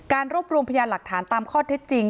รวบรวมพยานหลักฐานตามข้อเท็จจริง